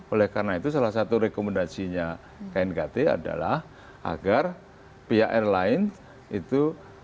oleh karena itu salah satu rekomendasinya knkt adalah agar pihak airline itu